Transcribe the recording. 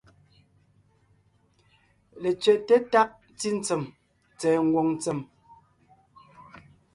Letsẅɛ́te tág ntí ntsèm tsɛ̀ɛ ngwòŋ ntsèm,